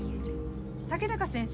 竹中先生？